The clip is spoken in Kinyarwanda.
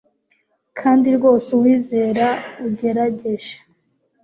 kandi rwose uwizera ugerageje